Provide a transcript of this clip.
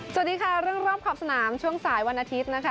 สวัสดีค่ะเรื่องรอบขอบสนามช่วงสายวันอาทิตย์นะคะ